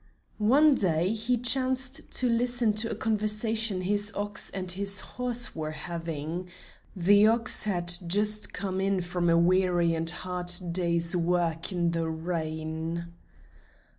One day he chanced to listen to a conversation his ox and his horse were having. The ox had just come in from a weary and hard day's work in the rain.